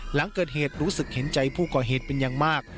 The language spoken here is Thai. หลังเกิดเหตุรู้สึกเห็นใจผู้ก่อเหตุเป็นอย่างมาก